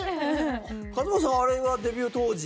勝俣さんあれはデビュー当時？